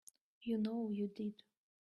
You know you did.